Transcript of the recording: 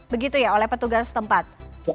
begitu ya oleh petugas tempat